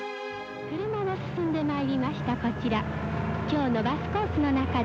車が進んでまいりました